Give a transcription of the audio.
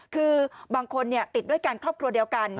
คือบางคนติดด้วยกันครอบครัวเดียวกัน